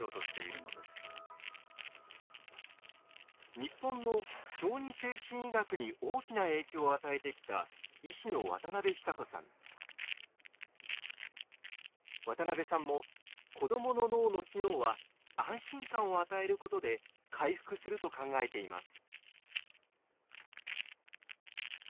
日本の小児精神医学に大きな影響を与えてきた渡辺さんも子どもの脳の機能は安心感を与えることで回復すると考えています。